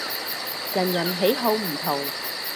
人人喜好唔同